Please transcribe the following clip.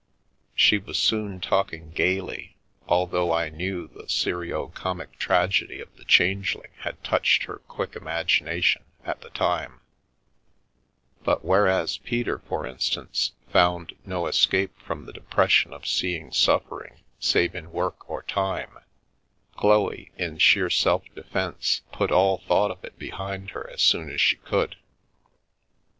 She was soon talking gaily, al though I knew the serio comic tragedy of the Change ling had touched her quick imagination at the time, but whereas Peter, for instance, found no escape from the depression of seeing suffering save in work or time, Chloe, in sheer self defence, put all thought of it behind her as soon as she could.